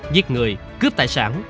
giết người cướp tài sản